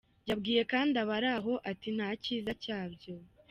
Yabwiye kandi abari aho ati," Nta cyiza cyabyo.